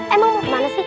emang mau kemana sih